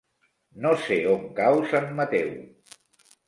No sé on cau Sant Mateu.